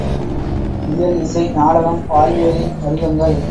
இயல் இசை நாடகம் வாழ்வியலின் வடிவங்கள்